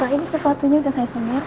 pak ini sepatunya udah saya semir